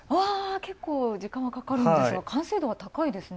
結構時間はかかるんですが完成度は高いですね。